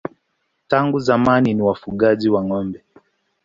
Tangu zamani ni wafugaji wa ng'ombe.